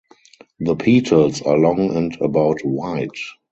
The petals are long and about wide.